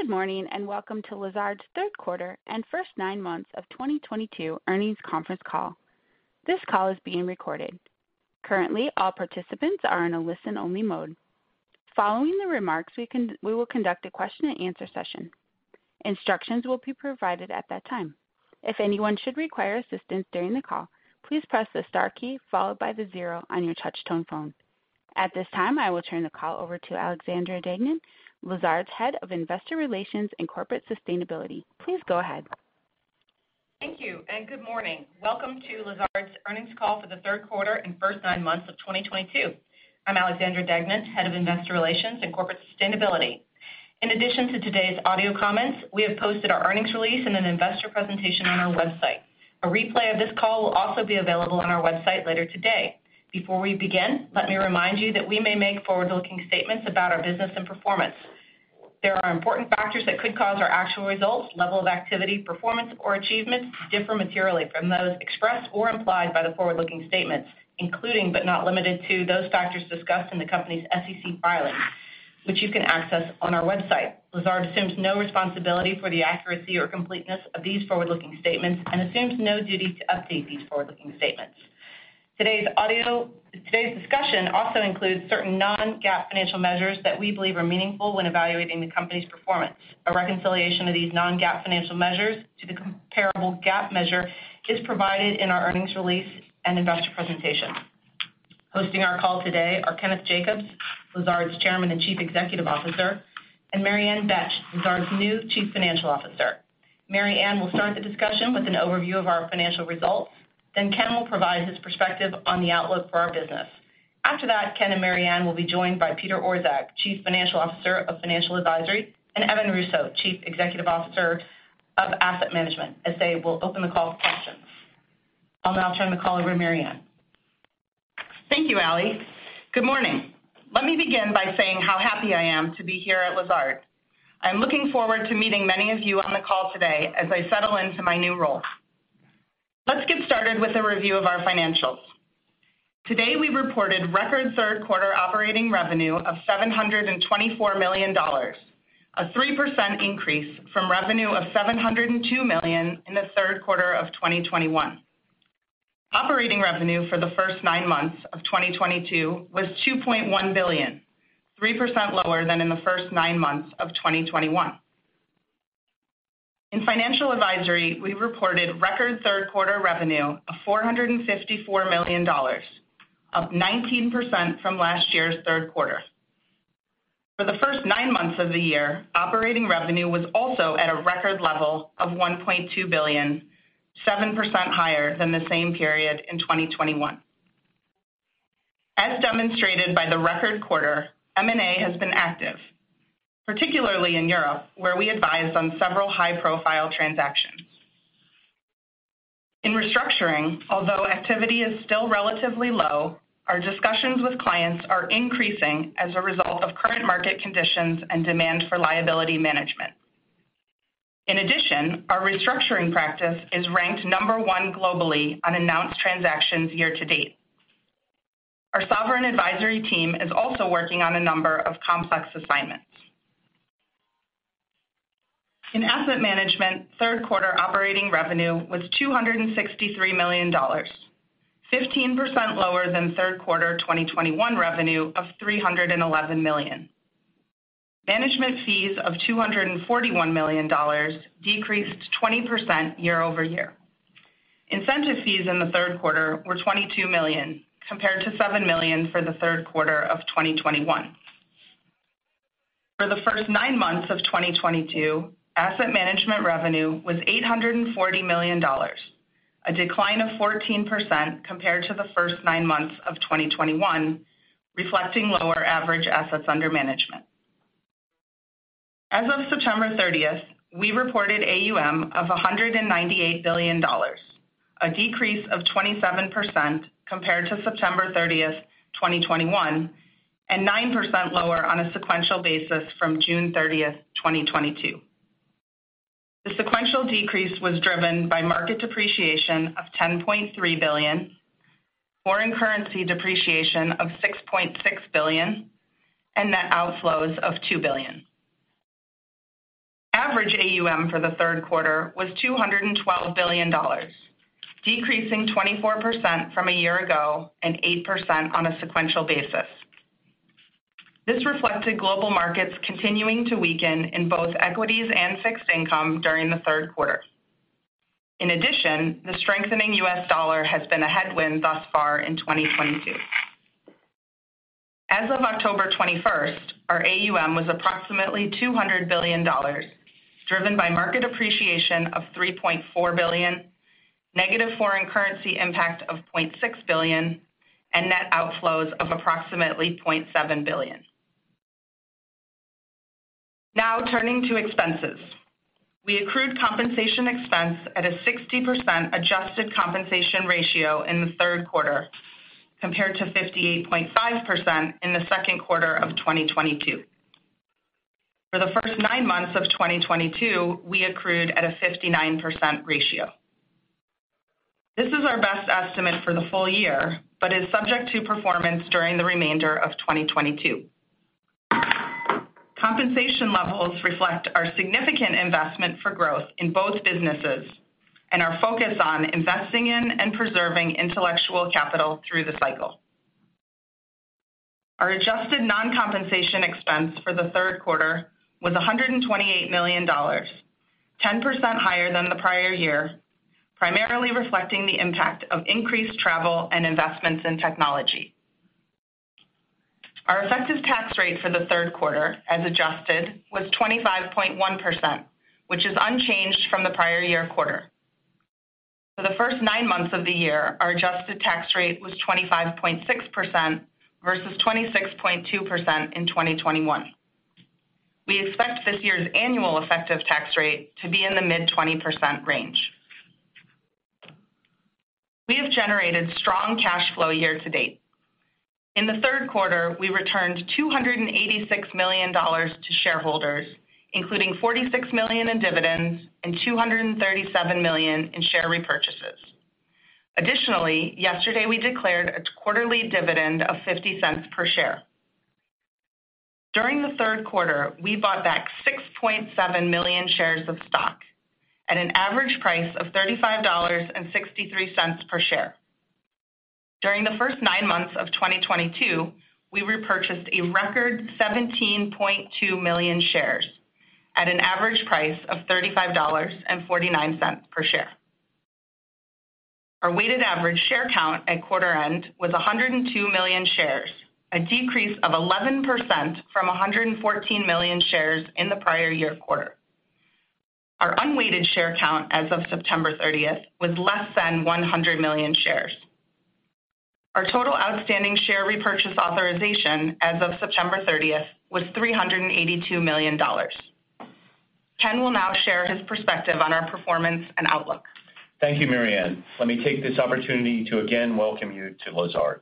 Good morning, and welcome to Lazard's Third Quarter and First Nine Months of 2022 Earnings Conference Call. This call is being recorded. Currently, all participants are in a listen-only mode. Following the remarks, we will conduct a question-and-answer session. Instructions will be provided at that time. If anyone should require assistance during the call, please press the star key followed by the zero on your touch tone phone. At this time, I will turn the call over to Alexandra Deignan, Lazard's Head of Investor Relations and Corporate Sustainability. Please go ahead. Thank you and good morning. Welcome to Lazard's Earnings Call for the Third Quarter and First Nine Months of 2022. I'm Alexandra Deignan, Head of Investor Relations and Corporate Sustainability. In addition to today's audio comments, we have posted our earnings release in an investor presentation on our website. A replay of this call will also be available on our website later today. Before we begin, let me remind you that we may make forward-looking statements about our business and performance. There are important factors that could cause our actual results, level of activity, performance, or achievements to differ materially from those expressed or implied by the forward-looking statements, including but not limited to those factors discussed in the company's SEC filings, which you can access on our website. Lazard assumes no responsibility for the accuracy or completeness of these forward-looking statements and assumes no duty to update these forward-looking statements. Today's discussion also includes certain non-GAAP financial measures that we believe are meaningful when evaluating the company's performance. A reconciliation of these non-GAAP financial measures to the comparable GAAP measure is provided in our earnings release and investor presentation. Hosting our call today are Kenneth Jacobs, Lazard's Chairman and Chief Executive Officer, and Mary Ann Betsch, Lazard's new Chief Financial Officer. Mary Ann will start the discussion with an overview of our financial results. Ken will provide his perspective on the outlook for our business. After that, Ken and Mary Ann will be joined by Peter Orszag, Chief Financial Officer of Financial Advisory, and Evan Russo, Chief Executive Officer of Asset Management, as they will open the call for questions. I'll now turn the call over to Mary Ann. Thank you, Ally. Good morning. Let me begin by saying how happy I am to be here at Lazard. I'm looking forward to meeting many of you on the call today as I settle into my new role. Let's get started with a review of our financials. Today, we reported record third quarter operating revenue of $724 million, a 3% increase from revenue of $702 million in the third quarter of 2021. Operating revenue for the first nine months of 2022 was $2.1 billion, 3% lower than in the first nine months of 2021. In Financial Advisory, we reported record third quarter revenue of $454 million, up 19% from last year's third quarter. For the first nine months of the year, operating revenue was also at a record level of $1.2 billion, 7% higher than the same period in 2021. As demonstrated by the record quarter, M&A has been active, particularly in Europe, where we advise on several high-profile transactions. In restructuring, although activity is still relatively low, our discussions with clients are increasing as a result of current market conditions and demand for liability management. In addition, our restructuring practice is ranked number one globally on announced transactions year to date. Our sovereign advisory team is also working on a number of complex assignments. In Asset Management, third quarter operating revenue was $263 million, 15% lower than third quarter 2021 revenue of $311 million. Management fees of $241 million decreased 20% year-over-year. Incentive fees in the third quarter were $22 million, compared to $7 million for the third quarter of 2021. For the first nine months of 2022, Asset Management revenue was $840 million, a decline of 14% compared to the first nine months of 2021, reflecting lower average assets under management. As of September 30, we reported AUM of $198 billion, a decrease of 27% compared to September 30, 2021, and 9% lower on a sequential basis from June 30, 2022. The sequential decrease was driven by market depreciation of $10.3 billion, foreign currency depreciation of $6.6 billion, and net outflows of $2 billion. Average AUM for the third quarter was $212 billion, decreasing 24% from a year ago and 8% on a sequential basis. This reflected global markets continuing to weaken in both equities and fixed income during the third quarter. In addition, the strengthening U.S. dollar has been a headwind thus far in 2022. As of October 21, our AUM was approximately $200 billion, driven by market appreciation of $3.4 billion, negative foreign currency impact of $0.6 billion, and net outflows of approximately $0.7 billion. Now, turning to expenses. We accrued compensation expense at a 60% adjusted compensation ratio in the third quarter, compared to 58.5% in the second quarter of 2022. For the first nine months of 2022, we accrued at a 59% ratio. This is our best estimate for the full year, but is subject to performance during the remainder of 2022. Compensation levels reflect our significant investment for growth in both businesses and our focus on investing in and preserving intellectual capital through the cycle. Our adjusted non-compensation expense for the third quarter was $128 million, 10% higher than the prior year, primarily reflecting the impact of increased travel and investments in technology. Our effective tax rate for the third quarter, as adjusted, was 25.1%, which is unchanged from the prior year quarter. For the first nine months of the year, our adjusted tax rate was 25.6% versus 26.2% in 2021. We expect this year's annual effective tax rate to be in the mid-20% range. We have generated strong cash flow year-to-date. In the third quarter, we returned $286 million to shareholders, including $46 million in dividends and $237 million in share repurchases. Additionally, yesterday, we declared a quarterly dividend of $0.50 per share. During the third quarter, we bought back 6.7 million shares of stock at an average price of $35.63 per share. During the first nine months of 2022, we repurchased a record 17.2 million shares at an average price of $35.49 per share. Our weighted average share count at quarter end was 102 million shares, a decrease of 11% from 114 million shares in the prior year quarter. Our unweighted share count as of September 30, was less than 100 million shares. Our total outstanding share repurchase authorization as of September 30, was $382 million. Ken will now share his perspective on our performance and outlook. Thank you, Mary Ann. Let me take this opportunity to again welcome you to Lazard.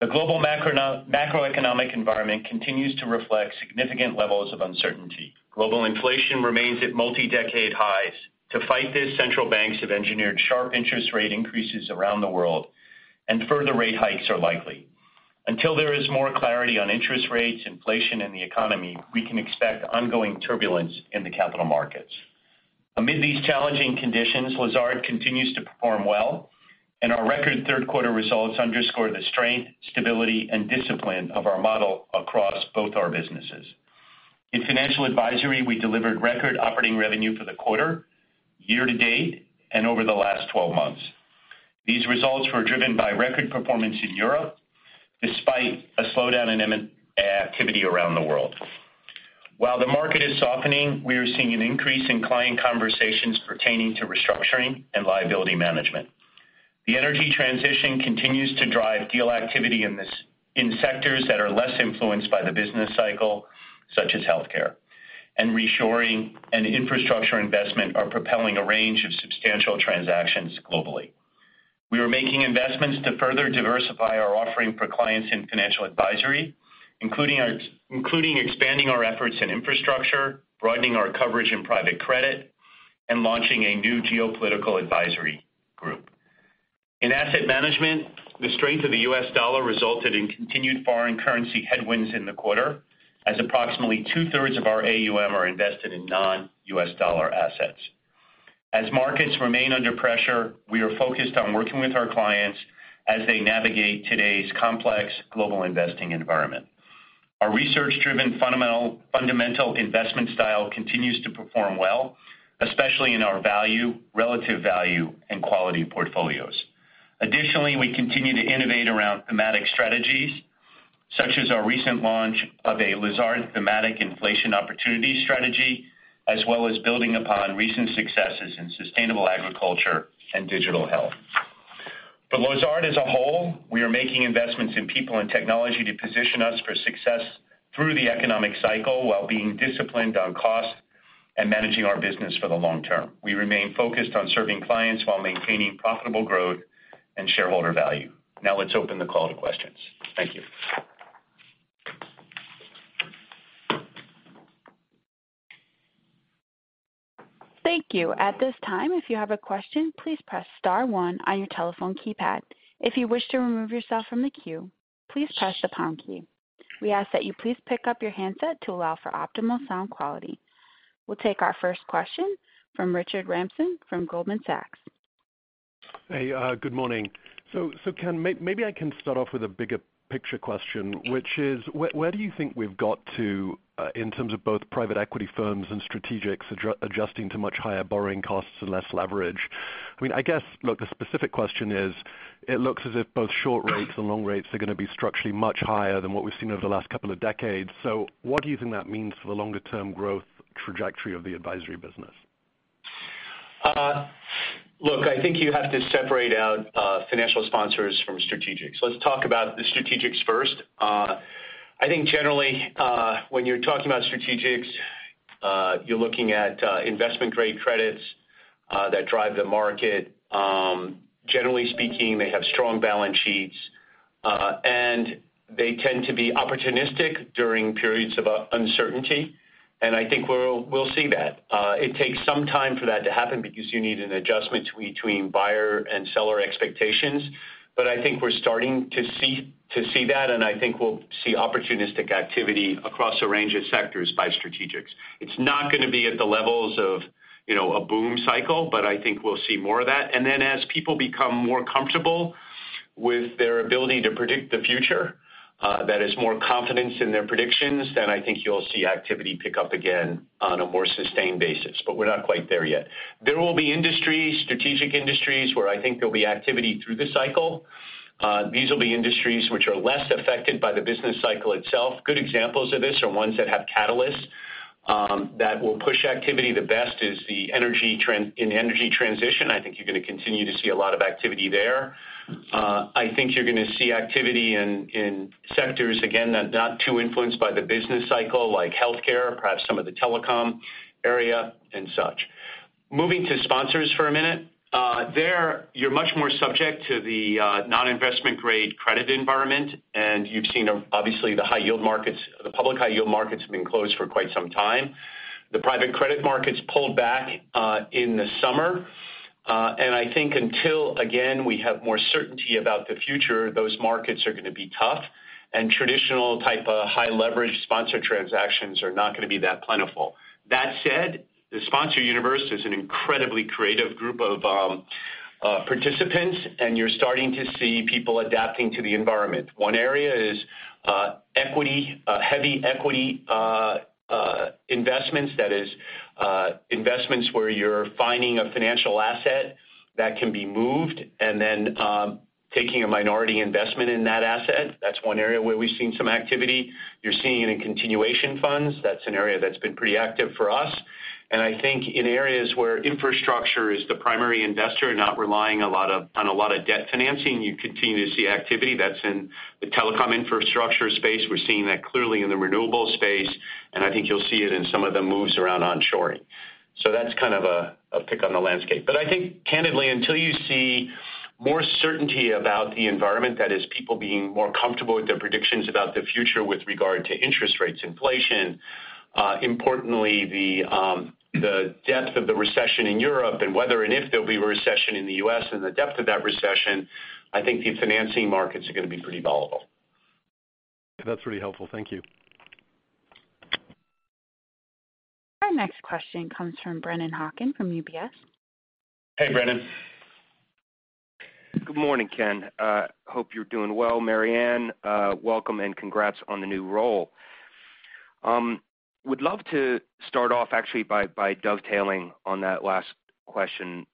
The global macroeconomic environment continues to reflect significant levels of uncertainty. Global inflation remains at multi-decade highs. To fight this, central banks have engineered sharp interest rate increases around the world, and further rate hikes are likely. Until there is more clarity on interest rates, inflation in the economy, we can expect ongoing turbulence in the capital markets. Amid these challenging conditions, Lazard continues to perform well, and our record third quarter results underscore the strength, stability, and discipline of our model across both our businesses. In Financial Advisory, we delivered record operating revenue for the quarter year-to-date and over the last 12 months. These results were driven by record performance in Europe, despite a slowdown in M&A activity around the world. While the market is softening, we are seeing an increase in client conversations pertaining to restructuring and liability management. The energy transition continues to drive deal activity in sectors that are less influenced by the business cycle, such as healthcare. Reshoring and infrastructure investment are propelling a range of substantial transactions globally. We are making investments to further diversify our offering for clients in Financial Advisory, including expanding our efforts in infrastructure, broadening our coverage in private credit, and launching a new geopolitical advisory group. In Asset Management, the strength of the U.S. dollar resulted in continued foreign currency headwinds in the quarter, as approximately two-thirds of our AUM are invested in non-U.S. dollar assets. As markets remain under pressure, we are focused on working with our clients as they navigate today's complex global investing environment. Our research-driven fundamental investment style continues to perform well, especially in our value, relative value, and quality portfolios. Additionally, we continue to innovate around thematic strategies, such as our recent launch of a Lazard Thematic Inflation Opportunities strategy, as well as building upon recent successes in sustainable agriculture and digital health. For Lazard as a whole, we are making investments in people and technology to position us for success through the economic cycle while being disciplined on cost and managing our business for the long term. We remain focused on serving clients while maintaining profitable growth and shareholder value. Now, let's open the call to questions. Thank you. Thank you. At this time, if you have a question, please press star one on your telephone keypad. If you wish to remove yourself from the queue, please press the pound key. We ask that you please pick up your handset to allow for optimal sound quality. We'll take our first question from Richard Ramsden from Goldman Sachs. Hey, good morning. Ken, maybe I can start off with a bigger picture question, which is where do you think we've got to in terms of both private equity firms and strategics are adjusting to much higher borrowing costs and less leverage? I mean, I guess, look, the specific question is, it looks as if both short rates and long rates are gonna be structurally much higher than what we've seen over the last couple of decades. What do you think that means for the longer-term growth trajectory of the advisory business? Look, I think you have to separate out financial sponsors from strategics. Let's talk about the strategics first. I think generally, when you're talking about strategics, you're looking at investment-grade credits that drive the market. Generally speaking, they have strong balance sheets and they tend to be opportunistic during periods of uncertainty, and I think we'll see that. It takes some time for that to happen because you need an adjustment between buyer and seller expectations. I think we're starting to see that, and I think we'll see opportunistic activity across a range of sectors by strategics. It's not gonna be at the levels of, you know, a boom cycle, but I think we'll see more of that. As people become more comfortable with their ability to predict the future, that is more confidence in their predictions, then I think you'll see activity pick up again on a more sustained basis, but we're not quite there yet. There will be industries, strategic industries, where I think there'll be activity through the cycle. These will be industries which are less affected by the business cycle itself. Good examples of this are ones that have catalysts that will push activity. The best is the energy transition. I think you're gonna continue to see a lot of activity there. I think you're gonna see activity in sectors, again, that are not too influenced by the business cycle like healthcare, perhaps some of the telecom area and such. Moving to sponsors for a minute. You're much more subject to the non-investment-grade credit environment, and you've seen, obviously, the high yield markets, the public high yield markets have been closed for quite some time. The private credit markets pulled back in the summer. I think until, again, we have more certainty about the future, those markets are gonna be tough. Traditional type of high-leverage sponsor transactions are not gonna be that plentiful. That said, the sponsor universe is an incredibly creative group of participants, and you're starting to see people adapting to the environment. One area is equity-heavy investments. That is, investments where you're finding a financial asset that can be moved and then taking a minority investment in that asset. That's one area where we've seen some activity. You're seeing it in continuation funds. That's an area that's been pretty active for us. I think in areas where infrastructure is the primary investor, not relying on a lot of debt financing, you continue to see activity that's in the telecom infrastructure space. We're seeing that clearly in the renewable space, and I think you'll see it in some of the moves around onshoring. That's kind of a pick on the landscape. I think candidly, until you see more certainty about the environment, that is people being more comfortable with their predictions about the future with regard to interest rates, inflation, importantly the depth of the recession in Europe and whether and if there'll be a recession in the U.S. and the depth of that recession, I think the financing markets are gonna be pretty volatile. That's pretty helpful. Thank you. Our next question comes from Brennan Hawken from UBS. Hey, Brennan. Good morning, Ken. Hope you're doing well. Mary Ann, welcome and congrats on the new role. Would love to start off actually by dovetailing on that last question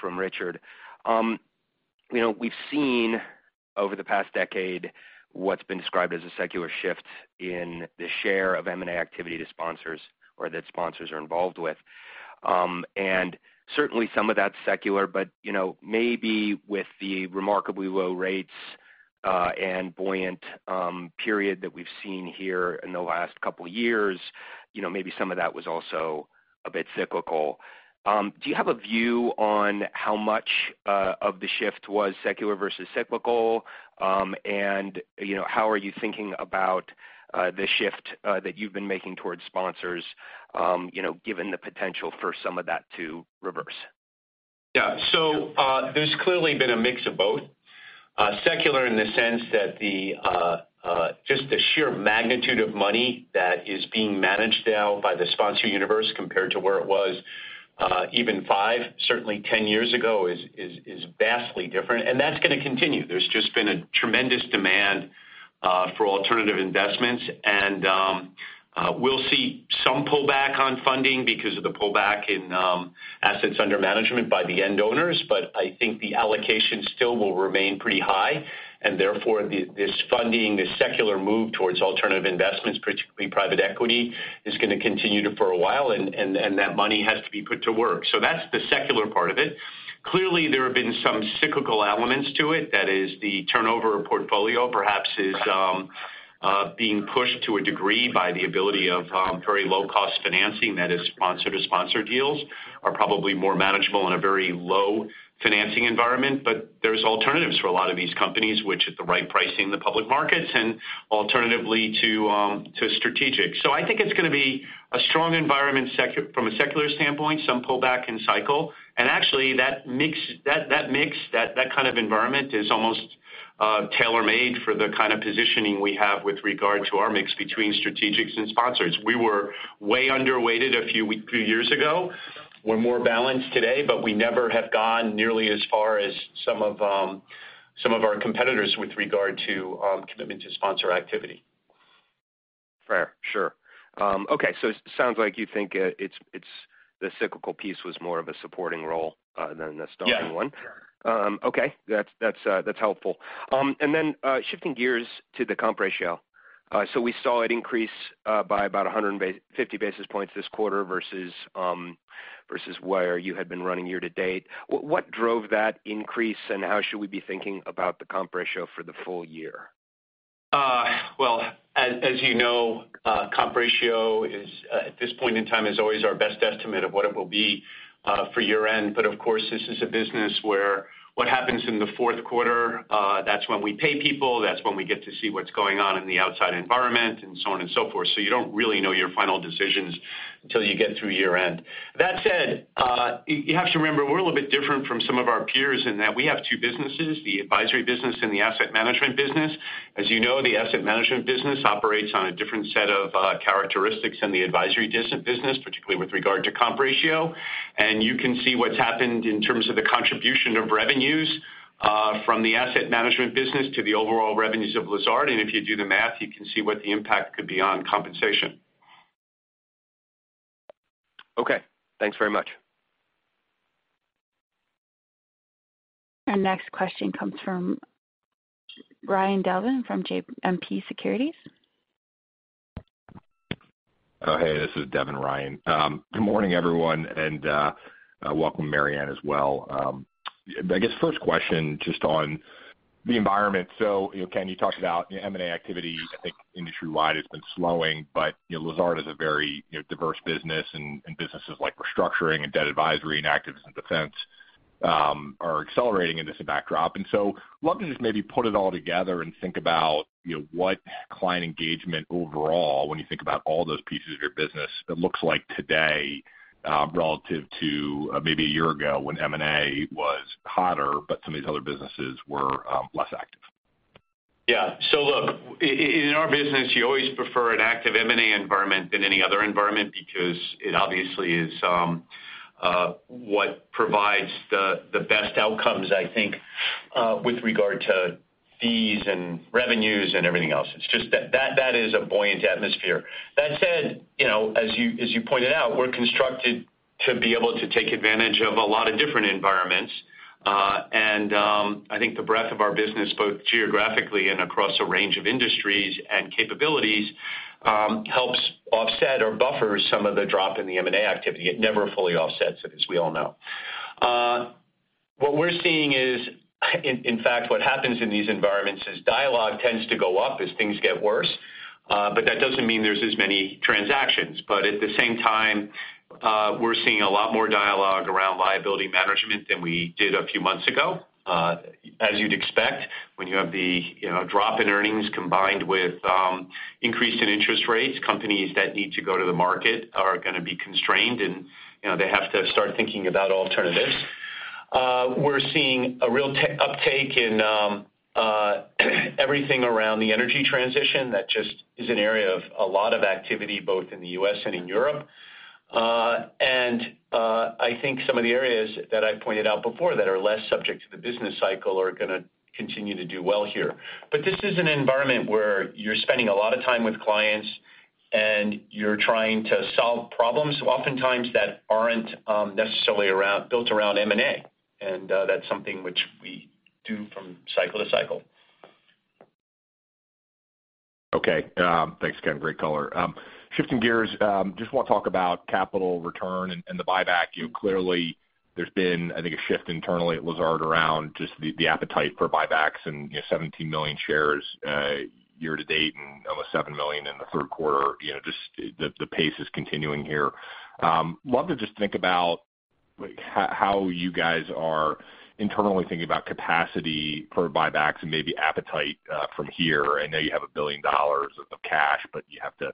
from Richard. You know, we've seen over the past decade what's been described as a secular shift in the share of M&A activity to sponsors or that sponsors are involved with. Certainly some of that's secular, but you know, maybe with the remarkably low rates and buoyant period that we've seen here in the last couple years, you know, maybe some of that was also a bit cyclical. Do you have a view on how much of the shift was secular versus cyclical? You know, how are you thinking about the shift that you've been making towards sponsors, you know, given the potential for some of that to reverse? Yeah. There's clearly been a mix of both. Secular in the sense that just the sheer magnitude of money that is being managed now by the sponsor universe compared to where it was even 5, certainly 10 years ago, is vastly different, and that's gonna continue. There's just been a tremendous demand for alternative investments, and we'll see some pullback on funding because of the pullback in assets under management by the end owners, but I think the allocation still will remain pretty high. Therefore this funding, this secular move towards alternative investments, particularly private equity, is gonna continue for a while, and that money has to be put to work. That's the secular part of it. Clearly, there have been some cyclical elements to it. That is the turnover portfolio perhaps being pushed to a degree by the ability of very low-cost financing that is sponsor-to-sponsor deals are probably more manageable in a very low financing environment. There's alternatives for a lot of these companies, which at the right pricing the public markets and alternatively to strategic. I think it's gonna be a strong environment from a secular standpoint, some pullback in cycle. Actually that mix that kind of environment is almost tailor-made for the kind of positioning we have with regard to our mix between strategics and sponsors. We were way underweighted a few years ago. We're more balanced today, but we never have gone nearly as far as some of our competitors with regard to commitment to sponsor activity. Fair. Sure. Okay, it sounds like you think it's the cyclical piece was more of a supporting role than the starting one. Yeah. Okay. That's helpful. Shifting gears to the comp ratio. We saw it increase by about 150 basis points this quarter versus where you had been running year to date. What drove that increase, and how should we be thinking about the comp ratio for the full year? As you know, comp ratio is at this point in time always our best estimate of what it will be for year-end. Of course, this is a business where what happens in the fourth quarter, that's when we pay people, that's when we get to see what's going on in the outside environment and so on and so forth. You don't really know your final decisions till you get through year-end. That said, you have to remember, we're a little bit different from some of our peers in that we have two businesses, the Advisory business and the Asset Management business. As you know, the Asset Management business operates on a different set of characteristics than the Advisory business, particularly with regard to comp ratio. You can see what's happened in terms of the contribution of revenues from the Asset Management business to the overall revenues of Lazard. If you do the math, you can see what the impact could be on compensation. Okay, thanks very much. Our next question comes from Devin Ryan from JMP Securities. Oh, hey, this is Devin Ryan. Good morning, everyone, and welcome Mary Ann as well. I guess first question just on the environment. You know, Ken, you talked about M&A activity, I think industry-wide has been slowing, but, you know, Lazard is a very, you know, diverse business, and businesses like restructuring and debt advisory and activist and defense are accelerating in this backdrop. Love to just maybe put it all together and think about, you know, what client engagement overall, when you think about all those pieces of your business, it looks like today, relative to maybe a year ago when M&A was hotter, but some of these other businesses were less active. Yeah. Look, in our business, you always prefer an active M&A environment than any other environment because it obviously is what provides the best outcomes, I think, with regard to fees and revenues and everything else. It's just that is a buoyant atmosphere. That said, you know, as you pointed out, we're constructed to be able to take advantage of a lot of different environments. I think the breadth of our business, both geographically and across a range of industries and capabilities, helps offset or buffers some of the drop in the M&A activity. It never fully offsets it, as we all know. What we're seeing is, in fact, what happens in these environments is dialogue tends to go up as things get worse, but that doesn't mean there's as many transactions. At the same time, we're seeing a lot more dialog around liability management than we did a few months ago. As you'd expect, when you have the, you know, drop in earnings combined with increase in interest rates, companies that need to go to the market are gonna be constrained and, you know, they have to start thinking about alternatives. We're seeing a real uptake in everything around the energy transition. That just is an area of a lot of activity, both in the U.S. and in Europe. I think some of the areas that I pointed out before that are less subject to the business cycle are gonna continue to do well here. This is an environment where you're spending a lot of time with clients and you're trying to solve problems oftentimes that aren't necessarily built around M&A, and that's something which we do from cycle to cycle. Okay. Thanks, Ken. Great color. Shifting gears, just want to talk about capital return and the buyback. Clearly, there's been, I think, a shift internally at Lazard around just the appetite for buybacks and, you know, 17 million shares year to date and almost 7 million in the third quarter. You know, just the pace is continuing here. Love to just think about, like, how you guys are internally thinking about capacity for buybacks and maybe appetite from here. I know you have $1 billion of cash, but you have to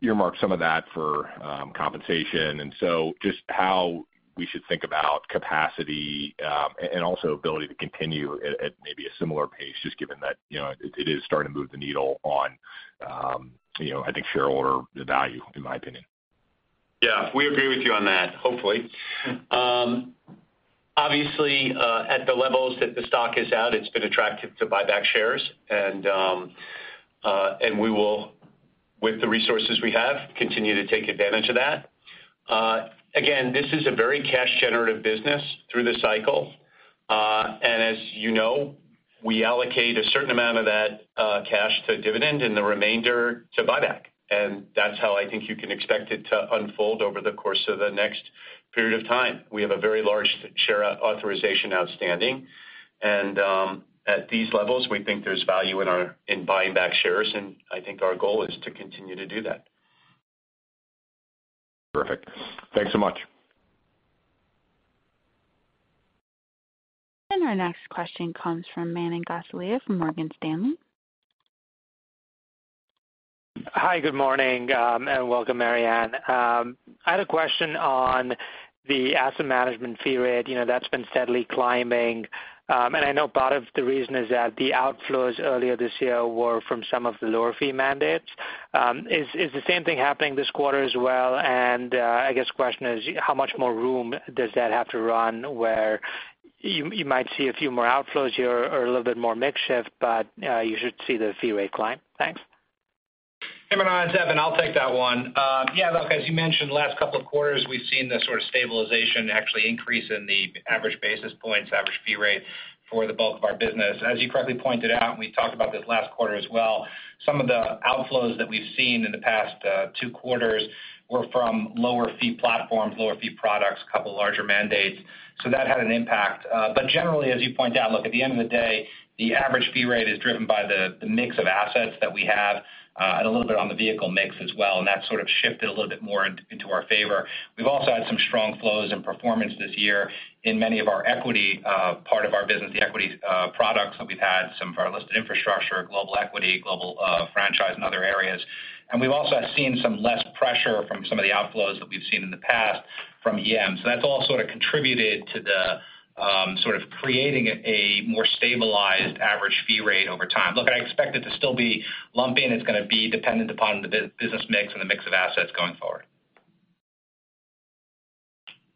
earmark some of that for compensation. Just how we should think about capacity, and also ability to continue at maybe a similar pace, just given that, you know, it is starting to move the needle on, you know, I think shareholder value, in my opinion. Yeah, we agree with you on that, hopefully. Obviously, at the levels that the stock is at, it's been attractive to buy back shares. We will, with the resources we have, continue to take advantage of that. Again, this is a very cash-generative business through the cycle. As you know, we allocate a certain amount of that cash to dividends and the remainder to buyback. That's how I think you can expect it to unfold over the course of the next period of time. We have a very large share authorization outstanding, and at these levels, we think there's value in buying back shares, and I think our goal is to continue to do that. Terrific. Thanks so much. Our next question comes from Manan Gosalia from Morgan Stanley. Hi, good morning, and welcome, Mary Ann. I had a question on the Asset Management fee rate. You know, that's been steadily climbing. I know part of the reason is that the outflows earlier this year were from some of the lower fee mandates. Is the same thing happening this quarter as well? I guess question is, how much more room does that have to run where you might see a few more outflows here or a little bit more mix shift, but you should see the fee rate climb? Thanks. Hey, Manan, it's Evan. I'll take that one. Yeah, look, as you mentioned, last couple of quarters, we've seen the sort of stabilization actually increase in the average basis points, average fee rate for the bulk of our business. As you correctly pointed out, and we talked about this last quarter as well, some of the outflows that we've seen in the past two quarters were from lower fee platforms, lower fee products, couple larger mandates, so that had an impact. Generally, as you point out, look, at the end of the day, the average fee rate is driven by the mix of assets that we have, and a little bit on the vehicle mix as well, and that sort of shifted a little bit more into our favor. We've also had some strong flows and performance this year in many of our equity products that we've had, some of our listed infrastructure, global equity, global franchise and other areas. We've also seen some less pressure from some of the outflows that we've seen in the past from EMs. That's all sort of contributed to the sort of creating a more stabilized average fee rate over time. Look, I expect it to still be lumpy, and it's gonna be dependent upon the business mix and the mix of assets going forward.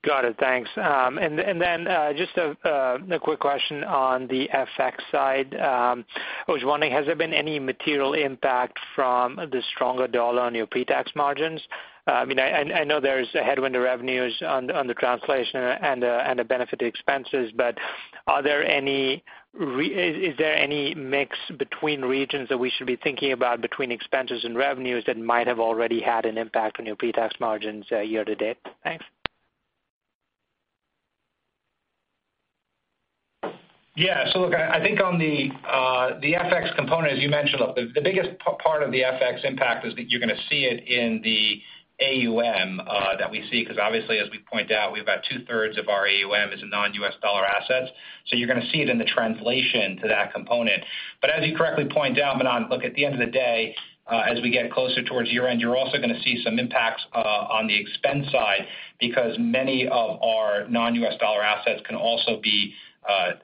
Got it. Thanks. Just a quick question on the FX side. I was wondering, has there been any material impact from the stronger dollar on your pretax margins? I mean, I know there's a headwind to revenues on the translation and the benefit to expenses, but is there any mix between regions that we should be thinking about between expenses and revenues that might have already had an impact on your pretax margins year to date? Thanks. Yeah. Look, I think on the FX component, as you mentioned, look, the biggest part of the FX impact is that you're gonna see it in the AUM that we see, because obviously, as we pointed out, we have about two-thirds of our AUM is in non-U.S. dollar assets. You're gonna see it in the translation to that component. But as you correctly point out, Manan, look, at the end of the day, as we get closer towards year-end, you're also gonna see some impacts on the expense side because many of our non-U.S. dollar assets can also be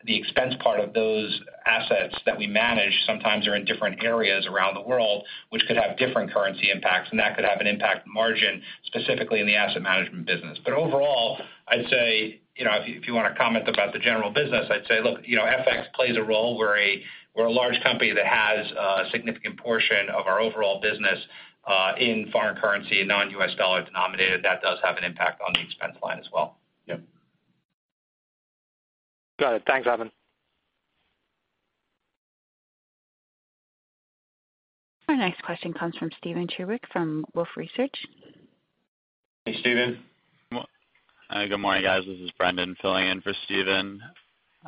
the expense part of those assets that we manage sometimes are in different areas around the world, which could have different currency impacts, and that could have an impact on margin, specifically in the asset management business. Overall, I'd say, you know, if you wanna comment about the general business, I'd say, look, you know, FX plays a role. We're a large company that has a significant portion of our overall business in foreign currency and non-U.S. dollar denominated. That does have an impact on the expense line as well. Yep. Got it. Thanks, Evan. Our next question comes from Steven Chubak from Wolfe Research. Hey, Steven. Good morning, guys. This is Brendan filling in for Steven.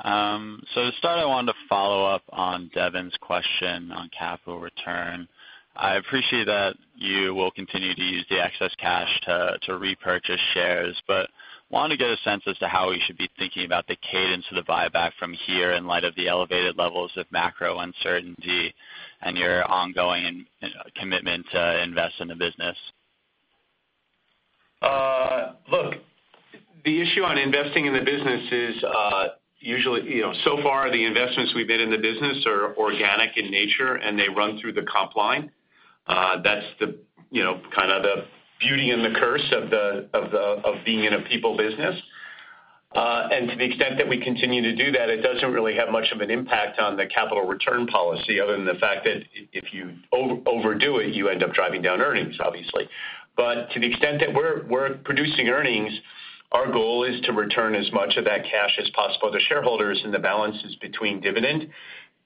To start, I wanted to follow up on Devin's question on capital return. I appreciate that you will continue to use the excess cash to repurchase shares, but wanna get a sense as to how we should be thinking about the cadence of the buyback from here in light of the elevated levels of macro uncertainty and your ongoing, you know, commitment to invest in the business. The issue on investing in the business is, usually, you know, so far the investments we've made in the business are organic in nature, and they run through the comp line. That's the, you know, kind of the beauty and the curse of being in a people business. To the extent that we continue to do that, it doesn't really have much of an impact on the capital return policy other than the fact that if you overdo it, you end up driving down earnings, obviously. To the extent that we're producing earnings, our goal is to return as much of that cash as possible to shareholders and the balance between dividend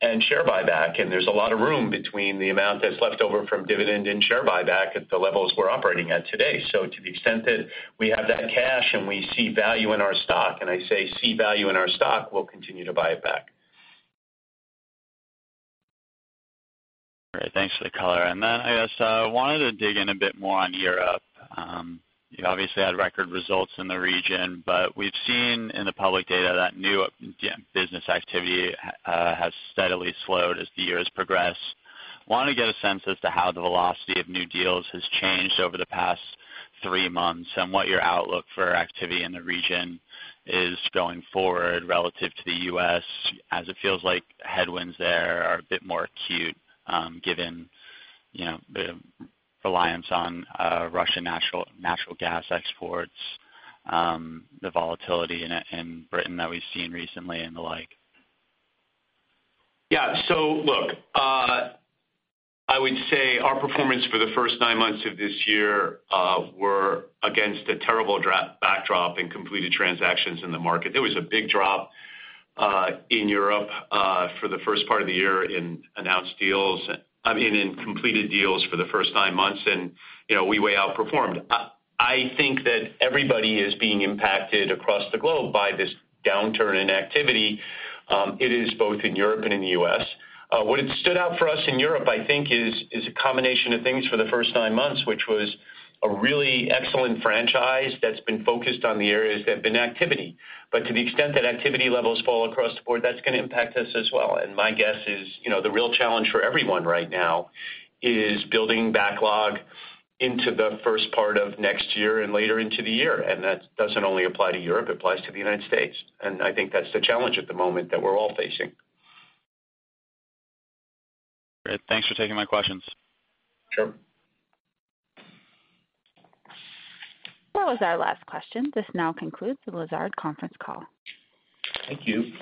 and share buyback. There's a lot of room between the amount that's left over from dividend and share buyback at the levels we're operating at today. To the extent that we have that cash and we see value in our stock, and I say see value in our stock, we'll continue to buy it back. Great. Thanks for the color. I guess I wanted to dig in a bit more on Europe. You obviously had record results in the region, but we've seen in the public data that new business activity has steadily slowed as the years progress. Wanna get a sense as to how the velocity of new deals has changed over the past three months and what your outlook for activity in the region is going forward relative to the U.S. as it feels like headwinds there are a bit more acute, given, you know, the reliance on, Russian natural gas exports, the volatility in Britain that we've seen recently and the like? Yeah. Look, I would say our performance for the first nine months of this year were against a terrible backdrop in completed transactions in the market. There was a big drop in Europe for the first part of the year in announced deals, I mean, in completed deals for the first nine months. You know, we way outperformed. I think that everybody is being impacted across the globe by this downturn in activity. It is both in Europe and in the U.S. What has stood out for us in Europe, I think, is a combination of things for the first nine months, which was a really excellent franchise that's been focused on the areas that have been active. To the extent that activity levels fall across the board, that's gonna impact us as well. My guess is, you know, the real challenge for everyone right now is building backlog into the first part of next year and later into the year. That doesn't only apply to Europe, it applies to the United States. I think that's the challenge at the moment that we're all facing. Great. Thanks for taking my questions. Sure. That was our last question. This now concludes the Lazard conference call. Thank you.